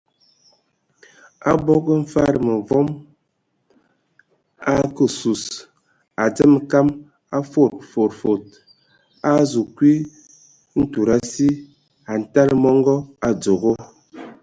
Abog mfad məvom a ake sus, a dzemə kam a fod fod fod, a a azu kwi ntud asi, a ntala mɔngɔ a dzogo.